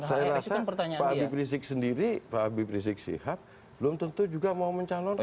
saya rasa pak biprisik sendiri pak biprisik sihat belum tentu juga mau mencalon